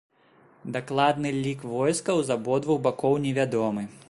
Дакладны лік войскаў з абодвух бакоў невядомы.